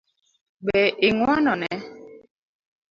Be ing'uono ne?